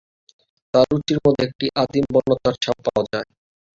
তার রুচির মধ্যে একটা আদিম বন্যতার ছাপ পাওয়া যায়।